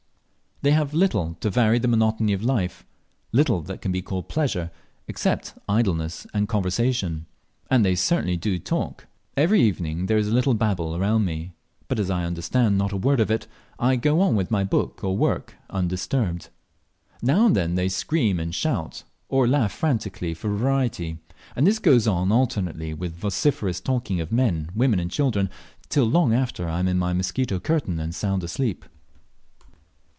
They have little to vary the monotony of life, little that can be called pleasure, except idleness and conversation. And they certainly do talk! Every evening there is a little Babel around me: but as I understand not a word of it, I go on with my book or work undisturbed. Now and then they scream and shout, or laugh frantically for variety; and this goes on alternately with vociferous talking of men, women, and children, till long after I am in my mosquito curtain and sound asleep.